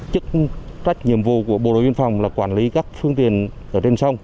chức trách nhiệm vụ của bộ đội biên phòng là quản lý các phương tiện ở trên sông